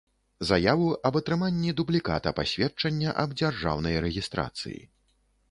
Заяву аб атрыманнi дублiката пасведчання аб дзяржаўнай рэгiстрацыi.